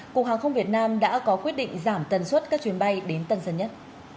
cục hàng không việt nam đã có quyết định giảm tần suất các chuyến bay đến tân sân nhất